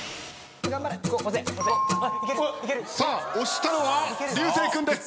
さあ押したのは流星君です。